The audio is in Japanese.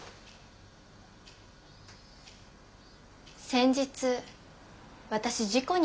先日私事故に遭ったんです。